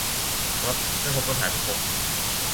ครับ ไม่พบปัญหาที่พี่พบ